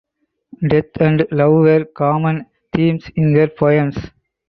Death and love were common themes in her poems.